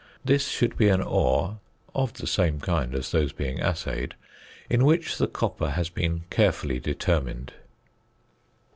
This should be an ore (of the same kind as those being assayed) in which the copper has been carefully determined.